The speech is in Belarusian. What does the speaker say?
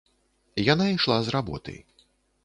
Яна ішла з работы.